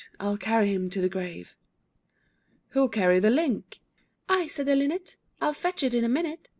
I'll carry him to the grave. Who'll carry the link? I, said the Linnet, I'll fetch it in a minute.